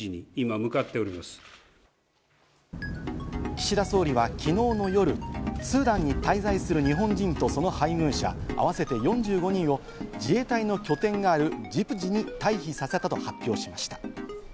岸田総理は昨日の夜、スーダンに滞在する日本人とその配偶者、合わせて４５人を自衛隊の拠点があるジブチに退避させたと発表しました。